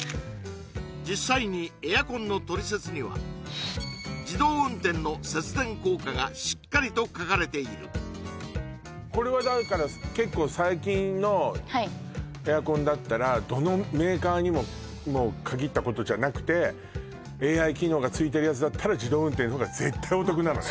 実際にエアコンのトリセツには自動運転の節電効果がしっかりとかかれているこれは結構最近のエアコンだったらどのメーカーにも限ったことじゃなくてＡＩ機能がついてるやつだったら自動運転のほうが絶対お得なのね